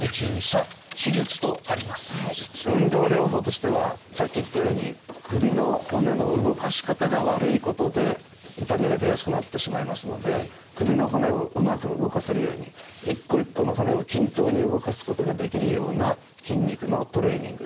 運動療法としてはさっき言ったように首の骨の動かし方が悪いことで痛みが出やすくなってしまいますので首の骨をうまく動かせるように一個一個の骨を均等に動かすことができるような筋肉のトレーニング。